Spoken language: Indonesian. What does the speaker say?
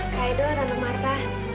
kak edo rantum marta